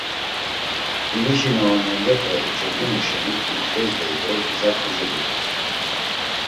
Hinişi na on nondepe eç̌opinu şeni ti kezdey do gza kocegutey.